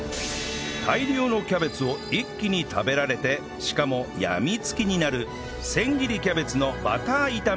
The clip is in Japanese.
大量のキャベツを一気に食べられてしかもやみつきになる千切りキャベツのバター炒めとは？